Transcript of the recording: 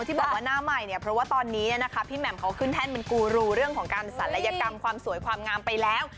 ที่บอกว่าหน้าใหม่เนี่ยเพราะว่าตอนนี้พี่แหม่มเขาขึ้นแท่นเป็นกูรูเรื่องของการศัลยกรรมความสวยความงามไปแล้ว